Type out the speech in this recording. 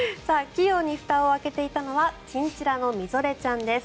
器用にふたを開けていたのはチンチラのみぞれちゃんです。